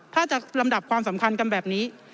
ถ้าจะลำดับความสำคัญกันแบบนี้